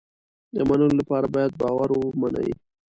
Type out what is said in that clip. د منلو لپاره باید باور ومني.